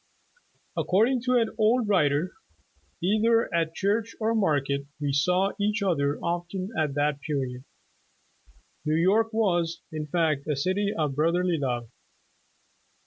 According to an old writer :'' Either at church or market, we saw each other often at that period. New York was, in fact, a city of brotherly love."